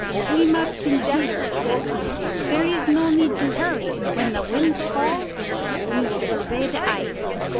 "We must consider," said he; "there is no need to hurry. When the wind falls we will survey the ice."